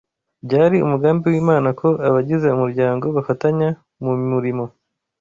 Byari umugambi w’Imana ko abagize umuryango bafatanya mu murimo